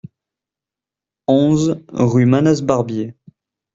onze rue Manasses Barbier